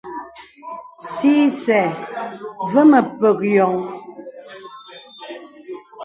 Sì isɛ̂ və mə pək yɔŋ.